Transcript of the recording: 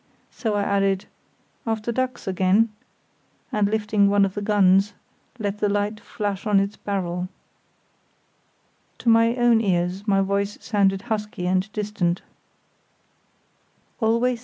So I added: "After ducks again"; and, lifting one of the guns, let the light flash on its barrel. To my own ears my voice sounded husky and distant.